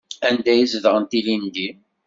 Anda ay zedɣent ilindi?